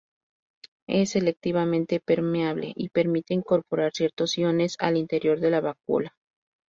Es selectivamente permeable y permite incorporar ciertos iones al interior de la vacuola.